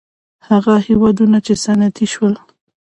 هغه هېوادونه چې صنعتي شول.